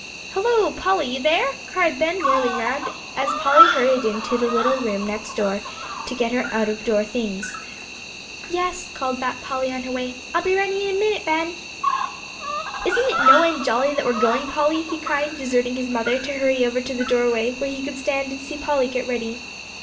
"Halloo, Polly, you there?" cried Ben, whirling round, as Polly hurried into the little room next to get her out of door things. "Yes," called back Polly, on her way, "I'll be ready in a minute, Ben." "Isn't it no end jolly that we're going, Polly?" he cried, deserting his mother to hurry over to the doorway where he could stand and see Polly get ready.